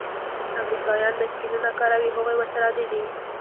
امریکایان بایسکلونه کاروي؟ هغوی ورسره عادي دي.